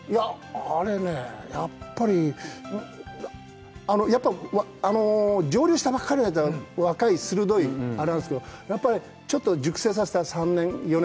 あれね、やっぱり蒸留しばっかりのやつは若い、鋭いあれなんですけど、ちょっと熟成させた３年４年